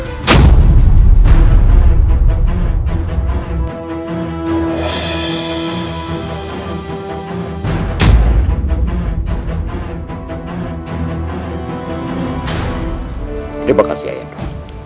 terima kasih ayaka